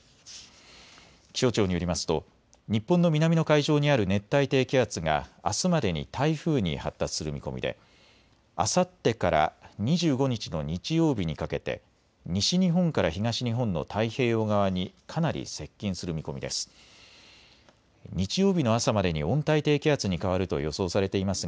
気象庁によりますと日本の南の海上にある熱帯低気圧があすまでに台風に発達する見込みであさってから２５日の日曜日にかけて西日本から東日本の太平洋側にかなり接近する見込みです。